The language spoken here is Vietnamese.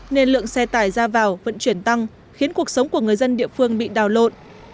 nên lượng xe tải ra vào vận chuyển tăng khiến cuộc sống của người dân địa phương bị đào lộn